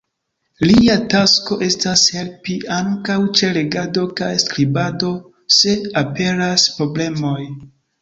Lia tasko estas helpi ankaŭ ĉe legado kaj skribado, se aperas problemoj.